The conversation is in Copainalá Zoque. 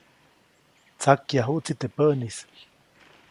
Tsakyajuʼtsi teʼ päʼnis.